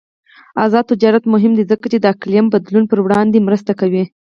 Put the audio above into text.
آزاد تجارت مهم دی ځکه چې د اقلیم بدلون پر وړاندې مرسته کوي.